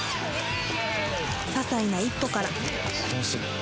ささいな一歩から